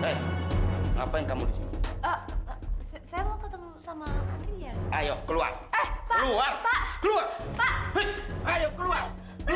hai eh ngapain kamu di sini saya mau ketemu sama ayo keluar keluar keluar keluar keluar